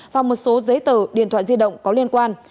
và một số giấy tờ điện thoại di động có liên quan